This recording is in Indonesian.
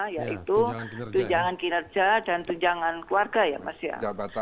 yaitu tunjangan kinerja dan tunjangan keluarga ya mas ya